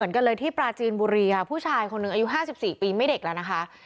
กันเลยที่ปราจีนบุรีค่ะผู้ชายคนหนึ่งอายุ๕๔ปีไม่เด็กแล้วนะคะ